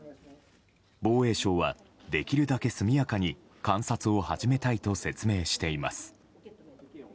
防衛省はできるだけ速やかに観察を始めたいと説明しています。